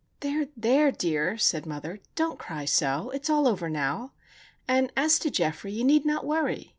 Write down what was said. "There! there, dear!" said mother. "Don't cry so. It is all over now. And as to Geoffrey, you need not worry.